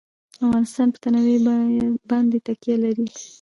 افغانستان په تنوع باندې تکیه لري.